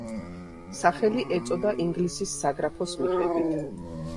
სახელი ეწოდა ინგლისის საგრაფოს მიხედვით.